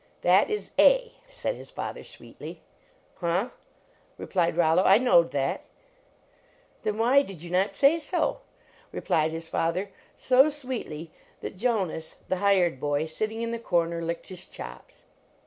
"That is A," said his father, sweetly. "Huh," replied Rollo, " I knowed that." " Then why did you not say so? " replied his father, so sweetly that Jonas, the hired boy. sitting in the corner, licked his chops.